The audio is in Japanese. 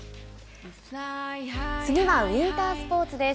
次はウインタースポーツです。